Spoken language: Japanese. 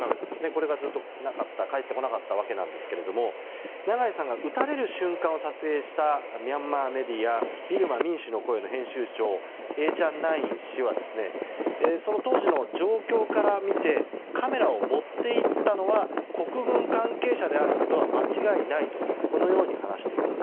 これがずっと返ってこなかったわけなんですけど長井さんが撃たれる瞬間を撮影したミャンマーメディアビルマ民主の声の編集長エーチャンナイン氏はその当時の状況から見てカメラを持って行ったのは国軍関係者であることは間違いないとこのように話しています。